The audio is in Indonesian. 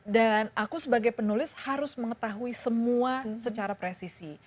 dan aku sebagai penulis harus mengetahui semua secara presisi